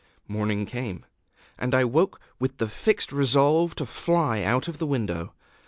Morning came; and I woke with the fixed resolve to fly out of the window.